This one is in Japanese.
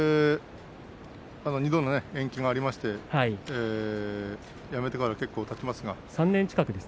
２度の延期もありましてやめてから結構たちますが。